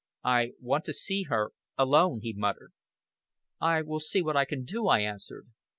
"I want to see her alone," he muttered. "I will see what I can do," I answered.